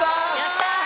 やったー！